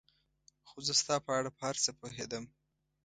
خو زه ستا په اړه په هر څه پوهېدم.